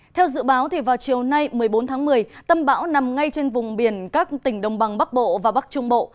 theo dự báo vào chiều nay một mươi bốn tháng một mươi tâm bão nằm ngay trên vùng biển các tỉnh đồng bằng bắc bộ và bắc trung bộ